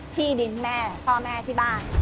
ที่ดินแม่พ่อแม่ที่บ้าน